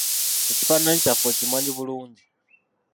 Ekifaananyi kyaffe okimanyi bulungi.